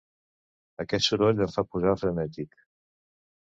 Aquest soroll em fa posar frenètic.